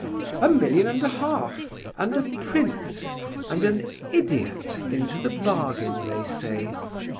A million and a half, and a prince, and an idiot into the bargain, they say.